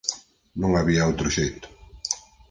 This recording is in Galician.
Non había outro xeito.